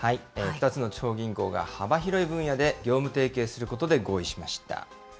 ２つの地方銀行が、幅広い分野で業務提携することで合意しました。